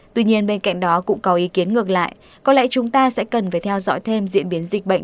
tuy nhiên bên cạnh đó cũng có ý kiến ngược lại có lẽ chúng ta sẽ cần phải theo dõi thêm diễn biến dịch bệnh